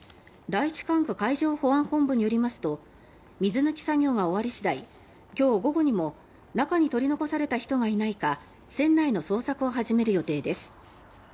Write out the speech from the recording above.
第一管区海上保安本部によりますと水抜き作業が終わり次第今日午後にも中に取り残された人がいないか船内の捜索を始める予定です。